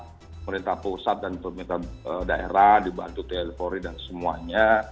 pemerintah pusat dan pemerintah daerah dibantu tlcori dan semuanya